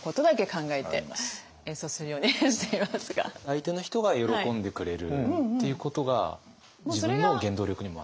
相手の人が喜んでくれるっていうことが自分の原動力にも。